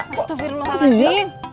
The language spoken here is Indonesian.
mas tufir makasih